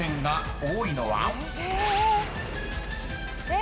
え